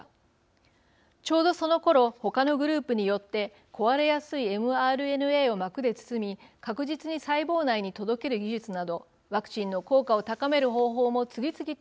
ちょうどそのころほかのグループによって壊れやすいｍＲＮＡを膜で包み確実に細胞内に届ける技術などワクチンの効果を高める方法も次々と開発されました。